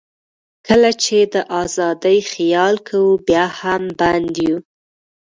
کله چې د آزادۍ خیال کوو، بیا هم بند یو.